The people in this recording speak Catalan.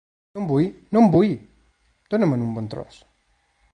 No en vull, no en vull; dona-me'n un bon tros.